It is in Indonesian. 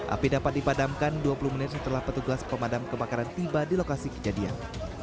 api dapat dipadamkan dua puluh menit setelah petugas pemadam kebakaran tiba di lokasi kejadian